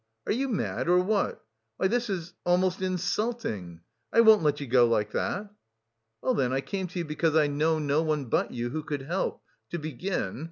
Are you mad, or what? Why, this is... almost insulting! I won't let you go like that." "Well, then, I came to you because I know no one but you who could help... to begin...